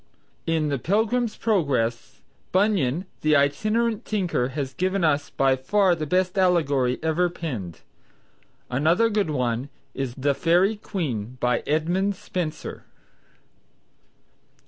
In the "Pilgrim's Progress," Bunyan, the itinerant tinker, has given us by far the best allegory ever penned. Another good one is "The Faerie Queen" by Edmund Spenser.